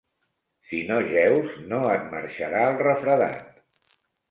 Si no jeus no et marxarà el refredat.